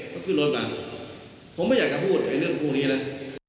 ก็คือลดมาผมไม่อยากจะพูดไอ้เรื่องของงานี้เลย